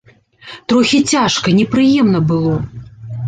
Трохі цяжка, непрыемна было.